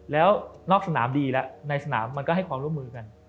แล้วนอกสนามดีแล้วในสนามมันก็ให้ความร่วมมือกัน